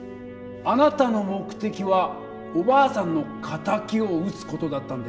あなたの目的はおばあさんの敵を討つ事だったんですよね？